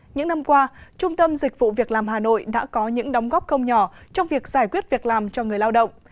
những năm qua trung tâm dịch vụ việc làm hà nội đã có những đóng góp không nhỏ trong việc giải quyết việc làm cho người lao động